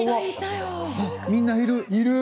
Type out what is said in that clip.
みんないる！